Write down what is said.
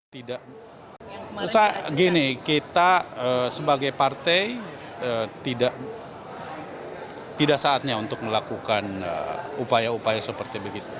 tidak usah gini kita sebagai partai tidak saatnya untuk melakukan upaya upaya seperti begitu